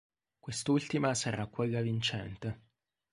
Quest'ultima sarà quella vincente.